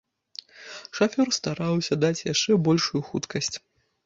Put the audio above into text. Шафёр стараўся даць яшчэ большую хуткасць.